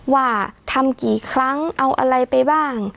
ว่าทำกี่ครั้งเอาอะไรไปบ้าง